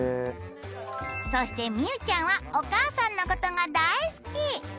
そしてみうちゃんはお母さんの事が大好き。